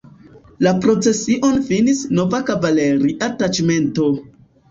La procesion finis nova kavaleria taĉmento.